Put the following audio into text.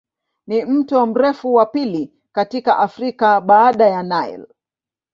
Ni mto mrefu wa pili katika Afrika baada ya Nile.